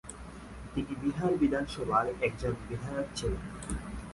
তিনি বিহার বিধানসভার একজন বিধায়ক ছিলেন।